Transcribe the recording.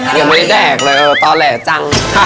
ยังไม่ได้แดกเลยตอแหลจัง